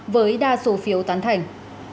với đa số phiếu tán thành